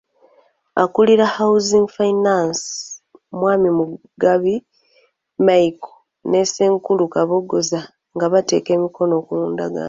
Akulira Housing Finance, Mwami Mugabi Michael ne Ssenkulu Kabogoza nga bateeka emikono ku ndagaano.